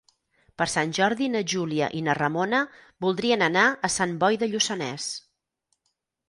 Per Sant Jordi na Júlia i na Ramona voldrien anar a Sant Boi de Lluçanès.